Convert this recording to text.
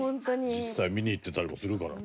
実際見に行ってたりもするからね。